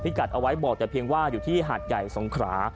กัดเอาไว้บอกแต่เพียงว่าอยู่ที่หาดใหญ่สงขรา